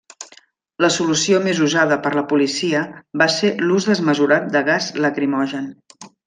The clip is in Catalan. La solució més usada per la policia va ser l'ús desmesurat de gas lacrimogen.